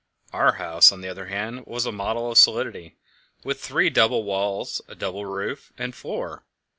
Our house, on the other hand, was a model of solidity, with three double walls, double roof and floor.